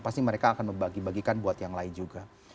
pasti mereka akan membagi bagikan buat yang lain juga